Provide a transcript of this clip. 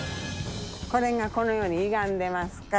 これがこのようにゆがんでますから。